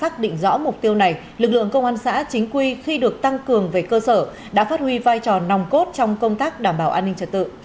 công an xã chính quy khi được tăng cường về cơ sở đã phát huy vai trò nòng cốt trong công tác đảm bảo an ninh trật tự